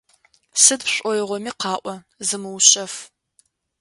Сыд пшӏоигъоми къаӏо, зымыушъэф.